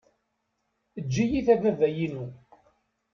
Eǧǧ-iyi-t a baba-inu.